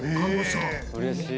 うれしい。